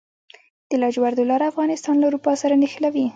د لاجوردو لاره افغانستان له اروپا سره نښلوي